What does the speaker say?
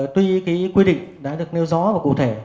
tuy cái quy định đã được nêu rõ và cụ thể